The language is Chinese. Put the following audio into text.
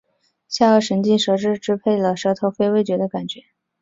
下颌神经舌分支支配了舌头非味觉的感觉